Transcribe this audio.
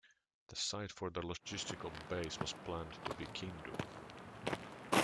The site for the logistical base was planned to be Kindu.